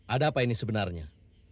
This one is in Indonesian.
ada apa ini sebenarnya